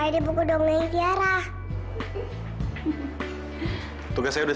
dalam purti kayak